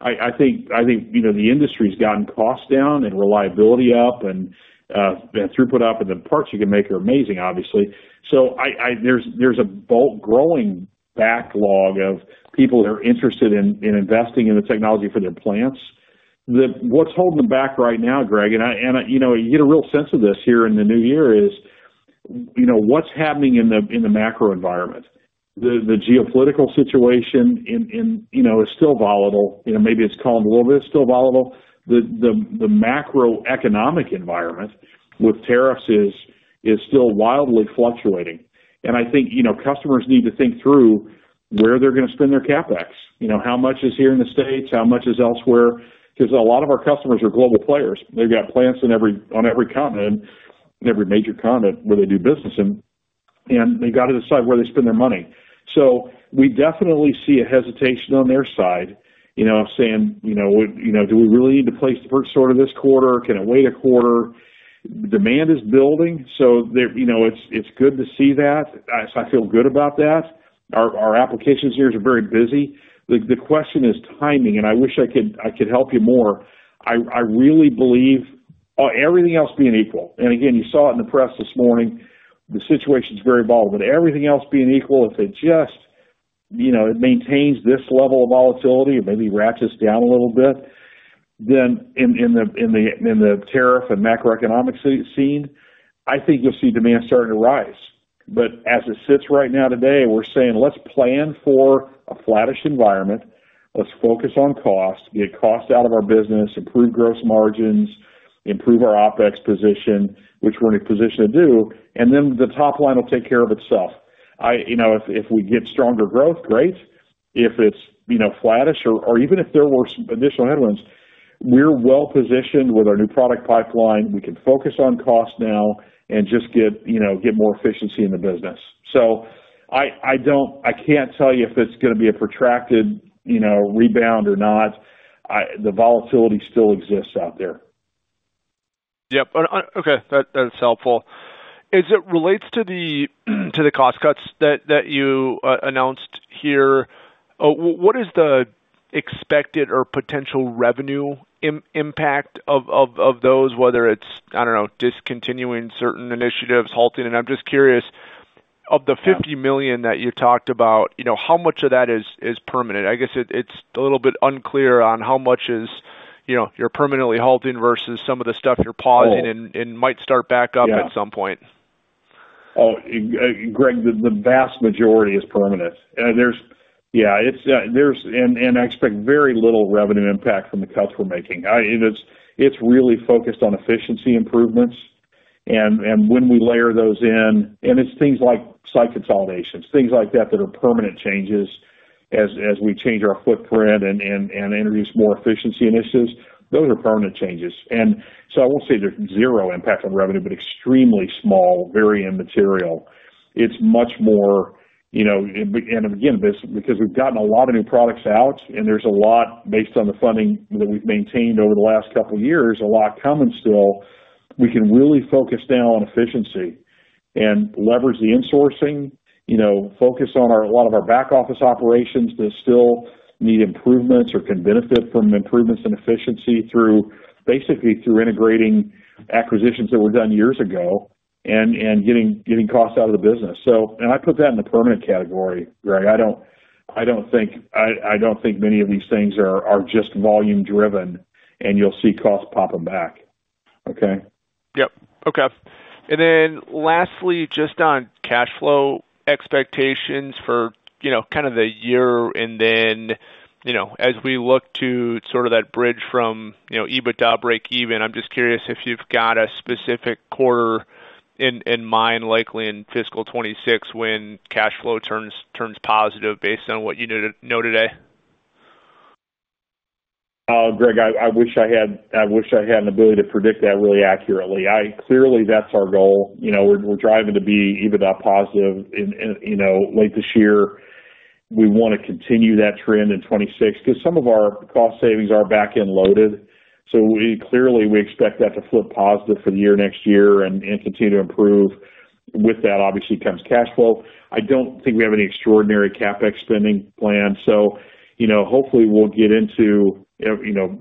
I think i think the industry has gotten cost down and reliability up and throughput up. The parts you can make are amazing, obviously. So there is there's a bulk growing backlog of people that are interested in in investing in the technology for their plants. What's holding them back right now, Greg, and and and you know you get a real sense of this here in the new year, you know is what's happening in the macro environment. The the geopolitical situation in you know is still volatile. Maybe it's calmed a little bit. It's still volatile. The the macroeconomic environment with tariffs is is still wildly fluctuating. And I think customers need to think through where they're going to spend their CapEx. You know how much is here in the States? How much is elsewhere? Because a lot of our customers are global players. They've got plants on every continent, every major continent where they do business. And they've got to decide where they spend their money. So we definitely see a hesitation on their side you know saying, "Do we really need to place the purchase order this quarter? Can it wait a quarter?" Demand is building, so you know it's it's good to see that. I feel good about that. Our our applications here are very busy. The question is timing, and I wish I could help you more. I I really believe everything else being equal. You saw it in the press this morning. The situation's very volatile. Everything else being equal, if it just maintains this level of volatility and maybe ratchets down a little bit, then in in in the in the tariff and macroeconomic scene, I think you'll see demand starting to rise. But as it sits right now today, we're saying, "Let's plan for a flattish environment. Let's focus on cost, get cost out of our business, improve gross margins, improve our OpEx position," which we're in a position to do. And then the top line will take care of itself. You know if we get stronger growth, great. If it's flattish, or even if there were additional headwinds, we're well-positioned with our new product pipeline. We can focus on cost now and just get more efficiency in the business. So I don't I can't tell you if it's going to be a protracted you know rebound or not. The volatility still exists out there. Yep. Okay. That's helpful. As it relates to the cost cuts that you announced here, what what is the expected or potential revenue impact of of those, whether it's, I don't know, discontinuing certain initiatives, halting? I'm just curious, of the $50 million that you talked about, you know how much of that is is permanent? I guess it's a little bit unclear on how much you're permanently halting versus some of the stuff you're pausing and might start back up at some point. Oh, Greg, the vast majority is permanent. Yeah. I expect very little revenue impact from the customer making. It's it's really focused on efficiency improvements. And and when we layer those in, and it's things like site consolidations, things like that that are permanent changes as as we change our footprint and and introduce more efficiency initiatives, those are permanent changes. Ans so I won't say there's zero impact on revenue, but extremely small, very immaterial. It's much more—you know and again, because we've gotten a lot of new products out, and there's a lot, based on the funding that we've maintained over the last couple of years, a lot coming still, we can really focus now on efficiency and leverage the insourcing, you know focus on a lot of our back office operations that still need improvements or can benefit from improvements in efficiency through basically through integrating acquisitions that were done years ago and and getting cost out of the business. I put that in the permanent category, Greg. I don't think many of these things are just volume-driven, and you'll see cost popping back. Okay? Yep. Okay. And then lastly, just on cash flow expectations for you know kind of the year, and then you know as we look to sort of that bridge from EBITDA break-even, I'm just curious if you've got a specific quarter in in mind, likely in fiscal 2026 when cash flow turns positive based on what you know today. Greg, I wish I had—I wish I wish I had an ability to predict that really accurately. Clearly, that's our goal. You know we're driving to be EBITDA positive you know late this year. We want to continue that trend in 2026 because some of our cost savings are back-end loaded. So clearly, we expect that to flip positive for the year next year and continue to improve. With that, obviously, comes cash flow. I don't think we have any extraordinary CapEx spending planned. So hopefully, we'll get into you know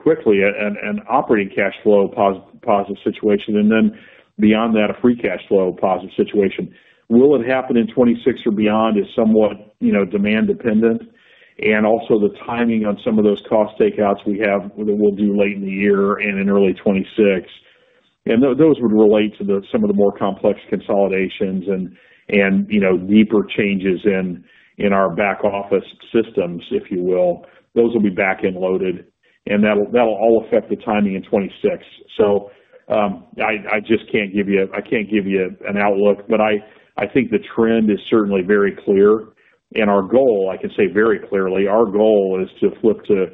quickly an an operating cash flow positive situation, and then beyond that, a free cash flow positive situation. Will it happen in 2026 or beyond is somewhat you know demand-dependent. And also the timing on some of those cost takeouts we have that we'll do late in the year and in early 2026. And those would relate to some of the more complex consolidations and and you know deeper changes in our back office systems, if you will. Those will be back-end loaded. And that'll all affect the timing in 2026. So I just can't give you—I can't give you an outlook. But I I think the trend is certainly very clear. And our goal, I can say very clearly, our goal is to flip to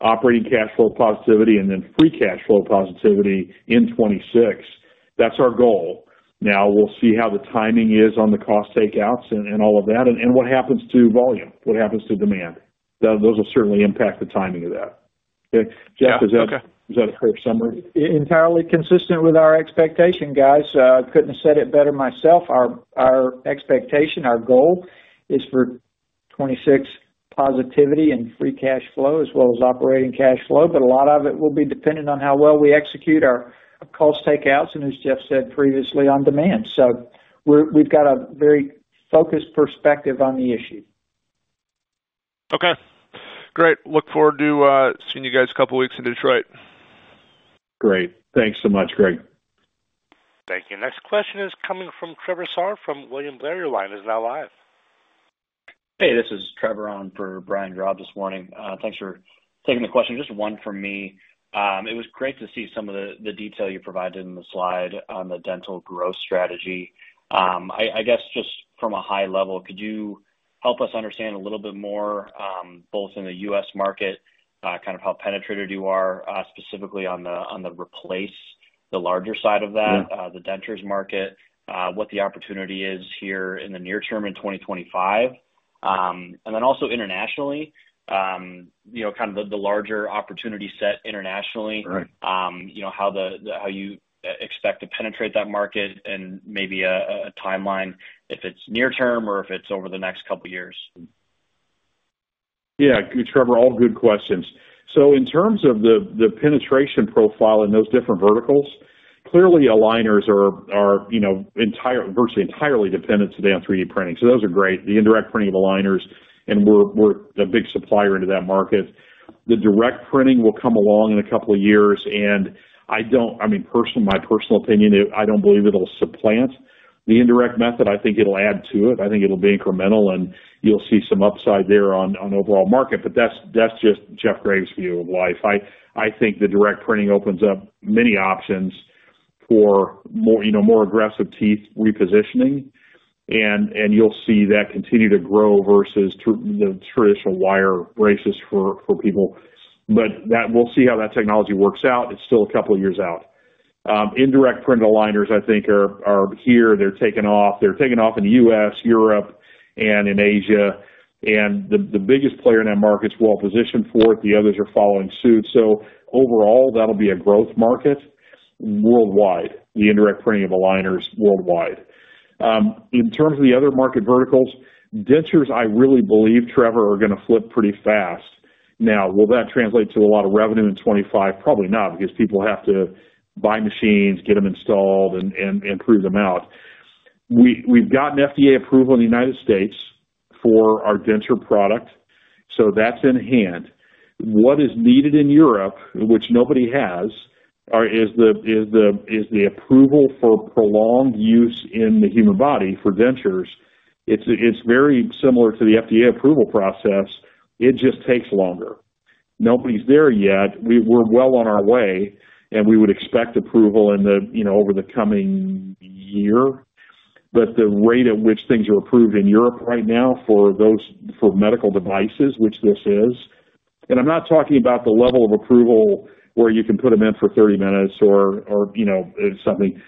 operating cash flow positivity and then free cash flow positivity in 2026. That's our goal. Now, we'll see how the timing is on the cost takeouts and all of that and what happens to volume, what happens to demand. Those will certainly impact the timing of that. Okay? Jeff, is that a fair summary? Entirely consistent with our expectation, guys. Couldn't have said it better myself. Our our expectation, our goal is for 2026 positivity and free cash flow as well as operating cash flow. But a lot of it will be dependent on how well we execute our cost takeouts and, as Jeff said previously, on demand. So we have a very focused perspective on the issue. Okay. Great. Look forward to seeing you guys in a couple of weeks in Detroit. Great. Thanks so much, Greg. Thank you. Next question is coming from Trevor Saar from William Blair. Your line is now live. Hey, this is Trevor on for Brian Drab this morning. Thanks for taking the question. Just one for me. It was great to see some of the detail you provided in the slide on the dental growth strategy. I guess just from a high level, could you help us understand a little bit more, both in the U.S. market, kind of how penetrated you are, specifically on the on replace, the larger side of that, the dentures market, what the opportunity is here in the near term in 2025, and then also internationally, you know kind of the larger opportunity set internationally, how you expect to penetrate that market, and maybe a timeline if it's near term or if it's over the next couple of years. Yeah. Good, Trevor. All good questions. So in terms of the the penetration profile in those different verticals, clearly, aligners are virtually entirely dependent today on 3D printing. Those are great. The indirect printing of aligners, and we're we're a big supplier into that market. The direct printing will come along in a couple of years. And I don't I mean, my personal opinion, I don't believe it'll supplant the indirect method. I think it'll add to it. I think it'll be incremental, and you'll see some upside there on overall market. But that's just Jeff Graves' view of life. I think the direct printing opens up many options for in the more aggressive teeth repositioning. And and you'll see that continue to grow versus the the traditional wire braces for people. But that we'll see how that technology works out. It's still a couple of years out. Indirect print aligners, I think, are are here. They're taking off. They're taking off in the U.S., Europe, and in Asia. And the the biggest player in that market's well-positioned for it. The others are following suit. So overall, that'll be a growth market worldwide, the indirect printing of aligners worldwide. In terms of the other market verticals, dentures, I really believe, Trevor, are going to flip pretty fast. Now, will that translate to a lot of revenue in 2025? Probably not because people have to buy machines, get them installed, and and prove them out. We've gotten FDA approval in the United States for our denture product. So that is in hand. What is needed in Europe, which nobody has, is the is the is the approval for prolonged use in the human body for dentures. It's it's very similar to the FDA approval process. It just takes longer. Nobody's there yet. We're well on our way, and we would expect approval over the coming year. The rate at which things are approved in Europe right now for those for medical devices, which this is—and I'm not talking about the level of approval where you can put them in for 30 minutes or or you know something.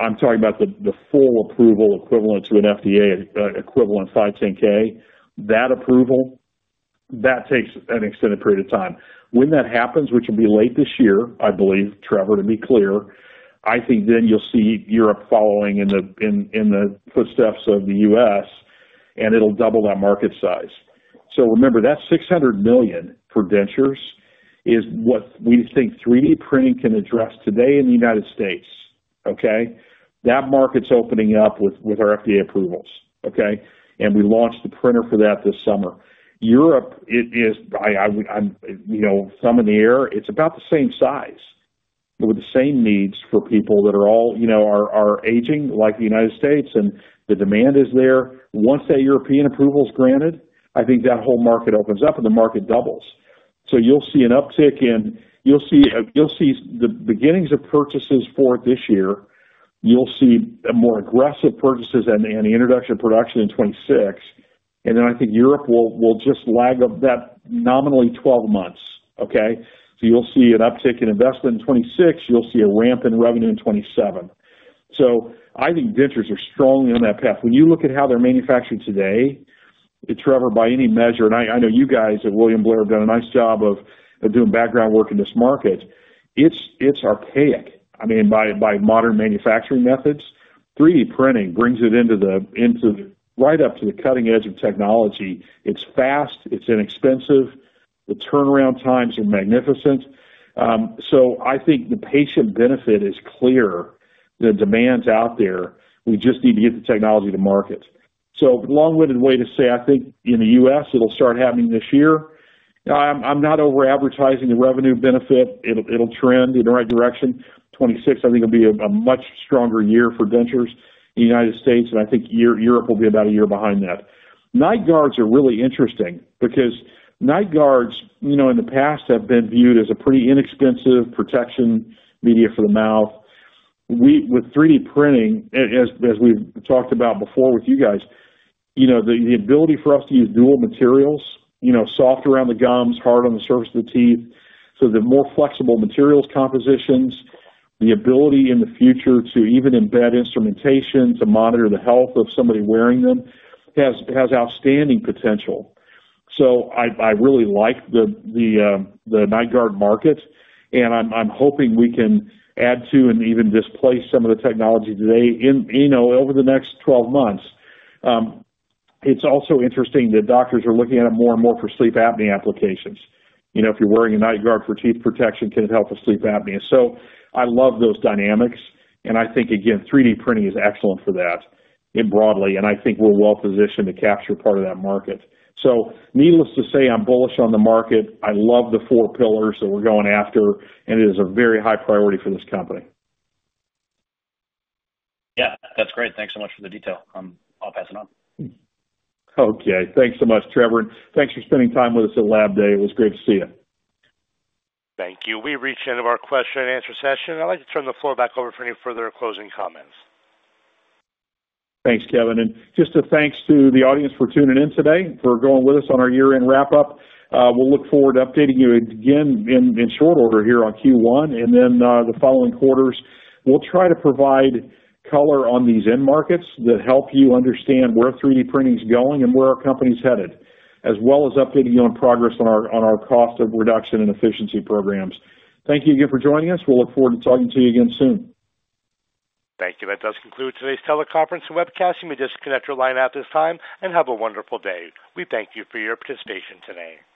I'm talking about the full approval equivalent to an FDA equivalent 510(k). That approval, that takes an extended period of time. When that happens, which will be late this year, I believe, Trevor, to be clear, I think then you'll see Europe following in the in the footsteps of the U.S., and it'll double that market size. So remember, that $600 million for dentures is what we think 3D printing can address today in the United States. Okay, that market's opening up with our FDA approvals, okay. And we launched the printer for that this summer. Europe, it it is you know thumb in the air. It's about the same size with the same needs for people that are you know are all aging like the United States, and the demand is there. Once that European approval is granted, I think that whole market opens up, and the market doubles. So you'll see an uptick, and you'll see you'll see the beginnings of purchases for it this year. You'll see more aggressive purchases and the introduction of production in 2026. And I think Europe will just lag up that nominally 12 months. Okay? You'll see an uptick in investment in 2026. You'll see a ramp in revenue in 2027. So I think dentures are strongly on that path. When you look at how they're manufactured today, Trevor, by any measure—I know you guys at William Blair have done a nice job of doing background work in this market—it's archaic, I mean, by modern manufacturing methods. 3D printing brings it into right up to the cutting edge of technology. It's fast. It's inexpensive. The turnaround times are magnificent. So I think the patient benefit is clear. The demand's out there. We just need to get the technology to market. So long-winded way to say, so I think in the U.S., it'll start happening this year. I'm not over-advertising the revenue benefit. It'll it'll trend in the right direction. 2026, I think, will be a much stronger year for dentures in the United States. And I think Europe will be about a year behind that. Night guards are really interesting because night guards you know in the past have been viewed as a pretty inexpensive protection media for the mouth. With 3D printing, as we've talked about before with you guys, you know the ability for us to use dual materials, yo u know soft around the gums, hard on the surface of the teeth, so the more flexible materials compositions, the ability in the future to even embed instrumentation to monitor the health of somebody wearing them has has outstanding potential. So I really like the night guard market, and and I'm hoping we can add to and even displace some of the technology today you know over the next 12 months. It's also interesting that doctors are looking at it more and more for sleep apnea applications. You know if you're wearing a night guard for teeth protection, can it help with sleep apnea? I love those dynamics. And I think, again, 3D printing is excellent for that broadly. I think we're well-positioned to capture part of that market. So needless to say, I'm bullish on the market. I love the four pillars that we're going after, and it is a very high priority for this company. Yeah. That's great. Thanks so much for the detail. I'll pass it on. Okay. Thanks so much, Trevor. And thanks for spending time with us at LAB DAY. It was great to see you. Thank you. We reached the end of our Q&A session. I'd like to turn the floor back over for any further closing comments. Thanks, Kevin. And and just a thanks to the audience for tuning in today, for going with us on our year-end wrap-up. We'll look forward to updating you again in short order here on Q1. And then the following quarters, we'll try to provide color on these end markets that help you understand where 3D printing's going and where our company's headed, as well as updating you on progress on our on our cost of reduction and efficiency programs. Thank you again for joining us. We'll look forward to talking to you again soon. Thank you. That does conclude today's teleconference and webcast. You may disconnect your line at this time and have a wonderful day. We thank you for your participation today.